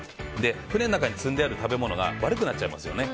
船の中に積んである食べ物が悪くなっちゃいますよね。